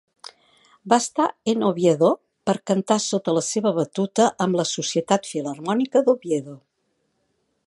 Va estar en Oviedo per cantar sota la seva batuta amb la Societat Filharmònica d'Oviedo.